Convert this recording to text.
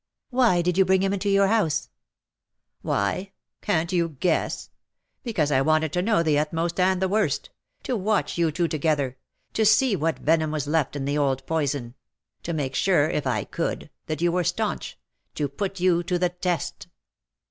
'''''^ Why did you bring him into your house V " Why ? Can''t you guess ? Because I wanted to know the utmost and the worst ; to watch you two together; to see what venom was left in the old poison ; to make sure, if I could, that you were staunch; to put you to the test.